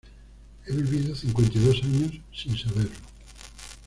He vivido cincuenta y dos años sin saberlo.